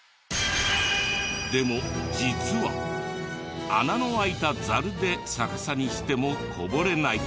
でも実は穴の開いたザルで逆さにしてもこぼれない。